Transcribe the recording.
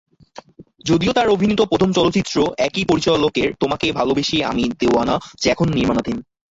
যদিও তার অভিনীত প্রথম চলচ্চিত্র একই পরিচালকের "তোমাকে ভালোবেসে আমি দিওয়ানা", যা এখনো নির্মাণাধীন।